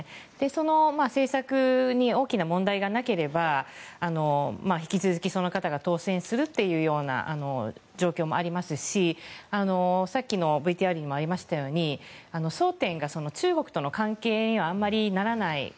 その政策に大きな問題がなければ引き続きその方が当選するという状況もありますしさっきのＶＴＲにもありましたように争点が中国との関係にはあまりならない